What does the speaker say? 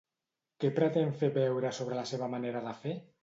Què pretén fer veure sobre la seva manera de fer?